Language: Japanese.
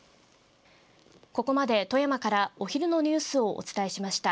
ここまで、富山からお昼のニュースをお伝えしました。